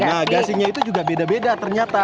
nah gasingnya itu juga beda beda ternyata